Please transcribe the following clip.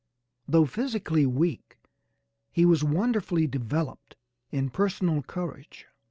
Though physically weak he was wonderfully developed in personal courage.